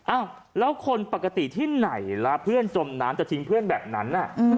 อ้าวแล้วคนปกติที่ไหนล่ะเพื่อนจมน้ำจะทิ้งเพื่อนแบบนั้น